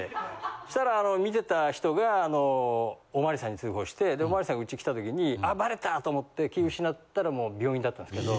そしたら見てた人がおまわりさんに通報しておまわりさんがうち来た時に「あバレた！」と思って気失ったらもう病院だったんですけど。